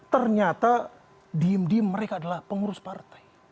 ternyata diem diem mereka adalah pengurus partai